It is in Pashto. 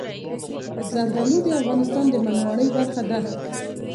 زردالو د افغانستان د بڼوالۍ برخه ده.